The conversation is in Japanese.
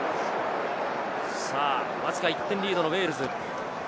わずか１点リードのウェールズ。